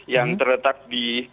yang terletak di